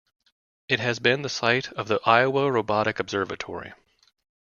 It has been the site of the Iowa Robotic Observatory.